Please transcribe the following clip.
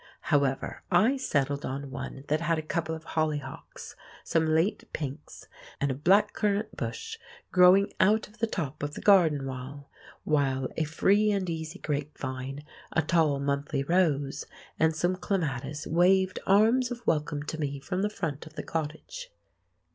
However, I settled on one that had a couple of hollyhocks, some late pinks, and a black currant bush growing out of the top of the garden wall, while a free and easy grape vine, a tall monthly rose, and some clematis waved arms of welcome to me from the front of the cottage.